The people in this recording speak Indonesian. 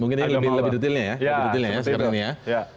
mungkin ini lebih detailnya ya